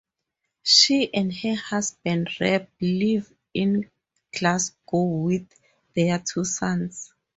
She and her husband Rab live in Glasgow with their two sons.